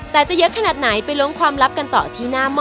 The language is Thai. แต่จะเยอะขนาดไหนไปล้วงความลับกันต่อที่หน้าหม้อ